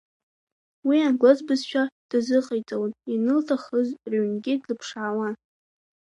Уи англыз бызшәа дазыҟаиҵалон, ианылҭахыз рҩнгьы длыԥшаауан.